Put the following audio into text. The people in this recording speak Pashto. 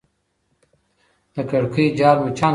د کړکۍ جال مچان کموي.